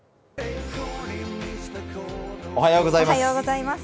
おはようございます。